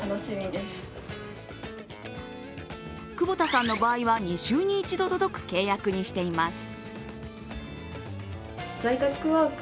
久保田さんの場合は２週に１度届く契約にしています。